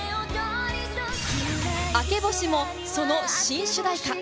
『明け星』もその新主題歌。